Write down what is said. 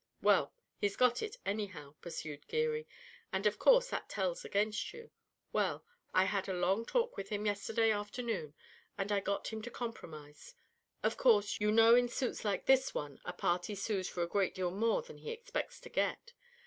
"Well, he's got it, anyhow," pursued Geary, "and of course that tells against you. Well, I had a long talk with him yesterday afternoon and I got him to compromise. Of course, you know in suits like this one a party sues for a great deal more than he expects to get.